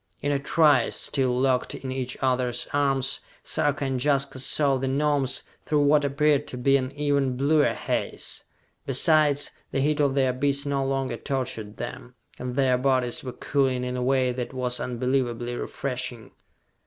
In a trice, still locked in each other's arms, Sarka and Jaska saw the Gnomes through what appeared to be an even bluer haze. Besides, the heat of the abyss no longer tortured them, and their bodies were cooling in a way that was unbelievably refreshing.